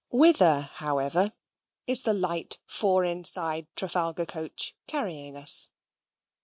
Whither, however, is the light four inside Trafalgar coach carrying us?